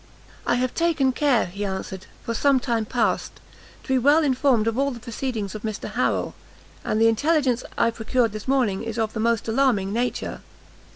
"I have taken care," he answered, "for some time past, to be well informed of all the proceedings of Mr Harrel; and the intelligence I procured this morning is of the most alarming nature.